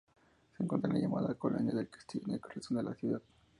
Se encuentra en la llamada "Colina del castillo", en el corazón de la ciudad.